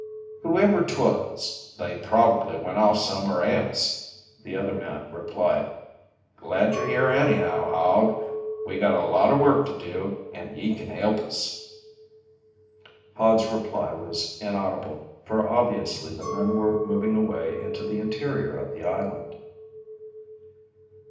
"Whoever 'twas, they probably went off somewheres else," the other man replied. "Glad yer here anyhow, Hod. We got a lot o' work to do and ye can help us." Hod's reply was inaudible, for obviously the men were moving away into the interior of the island.